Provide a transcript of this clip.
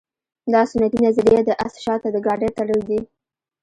دا سنتي نظریه د اس شاته د ګاډۍ تړل دي